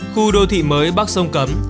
khu đô thị mới bắc sông cấm